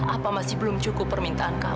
apa masih belum cukup permintaan kami